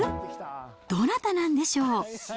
どなたなんでしょう。